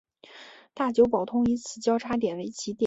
大久保通以此交差点为起点。